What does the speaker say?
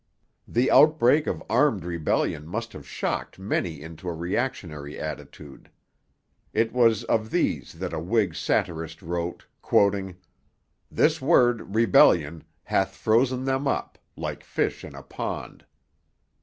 The outbreak of armed rebellion must have shocked many into a reactionary attitude. It was of these that a Whig satirist wrote, quoting: This word, Rebellion, hath frozen them up, Like fish in a pond.